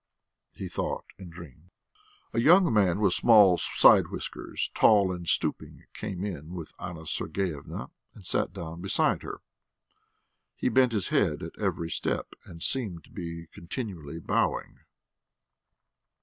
He thought and dreamed. A young man with small side whiskers, tall and stooping, came in with Anna Sergeyevna and sat down beside her; he bent his head at every step and seemed to be continually bowing.